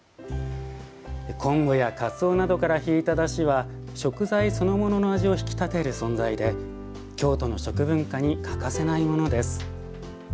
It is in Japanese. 昆布やかつおなどから引いただしは食材そのものの味を引き立てる存在で京都の食文化に欠かせないものです。